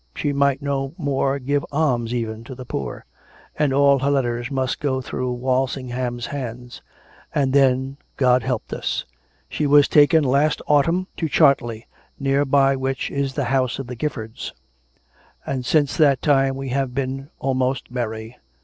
She might no more give alms, even, to the poor; and all her letters must go through Walsingham's hands. And then God helped us: she was taken last autumn to Chartley, near by which is the house of the Giffords; and since that time we have been almost merry.